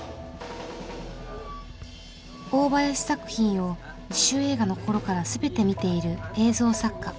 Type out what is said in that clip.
大林作品を自主映画の頃から全て見ている映像作家